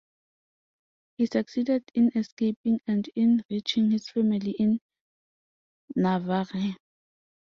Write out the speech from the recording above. He succeeded in escaping and in reaching his family in Navarre.